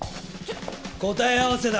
答え合わせだ。